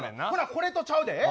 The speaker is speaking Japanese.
これとちゃうで。